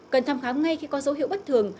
cần thăm khám ngay khi có dấu hiệu bất thường